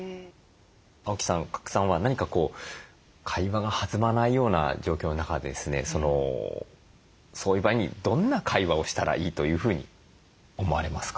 青木さん賀来さんは何かこう会話が弾まないような状況の中ですねそういう場合にどんな会話をしたらいいというふうに思われますか？